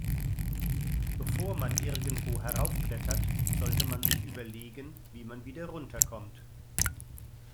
Bevor man irgendwo heraufklettert, sollte man sich überlegen, wie man wieder runter kommt.